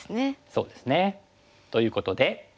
そうですね。ということで。